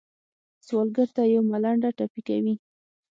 سوالګر ته یو ملنډه ټپي کوي